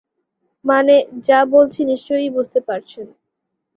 মানে, যা বলছি নিশ্চয়ই বুঝতে পারছেন?